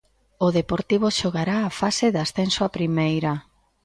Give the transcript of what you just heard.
O Deportivo xogará a fase de ascenso a primeira.